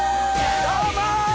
どうも！